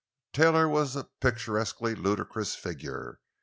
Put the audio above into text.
Taylor was a picturesquely ludicrous figure.